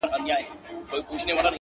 ماخو ستا غمونه ځوروي گلي ،